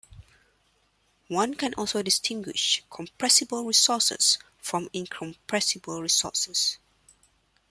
One can also distinguish "compressible" resources from "incompressible" resources.